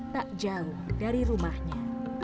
tak jauh dari rumahnya